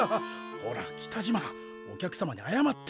ほら北島お客様にあやまって！